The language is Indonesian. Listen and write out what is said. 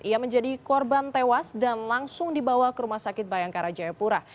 ia menjadi korban tewas dan langsung dibawa ke rumah sakit bayangkara jayapura